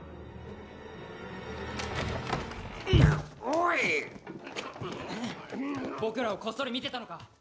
おい僕らをこっそり見てたのか？